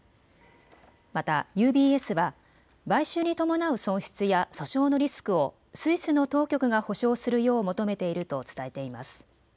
またＵＢＳは買収に伴う損失や訴訟のリスクをスイスの当局が補償するよう求めていると伝えています。